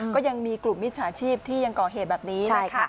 ก็ยังมีกลุ่มมิจฉาชีพที่ยังก่อเหตุแบบนี้นะคะ